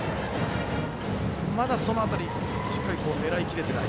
まだその辺りしっかり狙いきれてない。